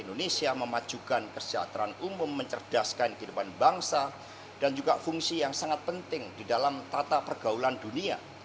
indonesia memajukan kesejahteraan umum mencerdaskan kehidupan bangsa dan juga fungsi yang sangat penting di dalam tata pergaulan dunia